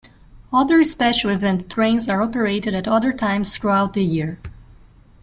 Other special event trains are operated at other times throughout the year.